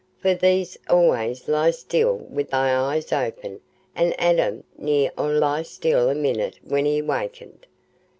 For thee'dst allays lie still wi' thy eyes open, an' Adam ne'er 'ud lie still a minute when he wakened.